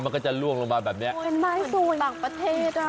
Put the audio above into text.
มันก็จะล่วงลงมาแบบเนี้ยเป็นไม้สูตรต่างประเทศอ่ะ